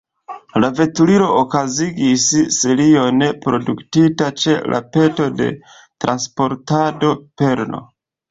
La veturilo okazigis serion produktita ĉe la peto de Transportado Perlo.